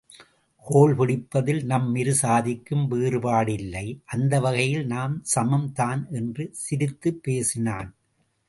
கோல்பிடிப்பதில் நம் இரு சாதிக்கும் வேறுபாடு இல்லை அந்த வகையில் நாம் சமம் தான் என்று சிரித்துப் பேசினான்.